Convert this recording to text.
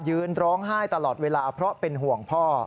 ร้องไห้ตลอดเวลาเพราะเป็นห่วงพ่อ